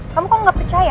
kamu kok gak percaya